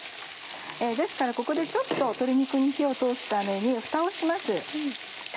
ですからここでちょっと鶏肉に火を通すためにフタをします。